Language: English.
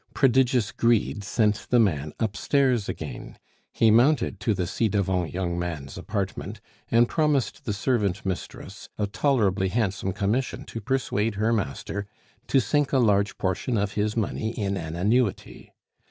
Prodigious greed sent the man upstairs again; he mounted to the ci devant young man's apartment, and promised the servant mistress a tolerably handsome commission to persuade her master to sink a large portion of his money in an annuity.